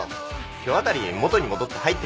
今日あたり元に戻って入ってくるさ。